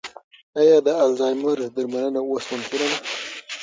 ایا د الزایمر درملنه اوس ممکنه ده؟